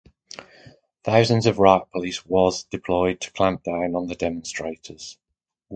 Thousands of riot police was deployed to clamp down on the demonstrators.